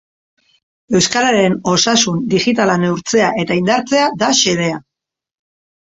Euskararen osasun digitala neurtzea eta indartzea da xedea.